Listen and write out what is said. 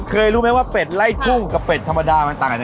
เคยรู้ไหมว่าเป็ดไอน่้ายทุ่งกับป็ดธรรมดามั้ยละไง